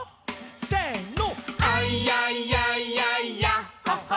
せの！